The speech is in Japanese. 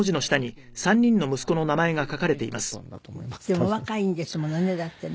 でもお若いんですものねだってね。